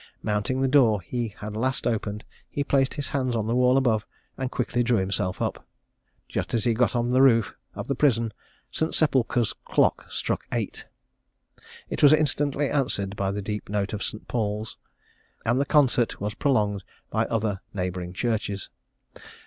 Mounting the door he had last opened, he placed his hands on the wall above, and quickly drew himself up. Just as he got on the roof of the prison, St. Sepulchre's clock struck eight. It was instantly answered by the deep note of St. Paul's; and the concert was prolonged by other neighbouring churches.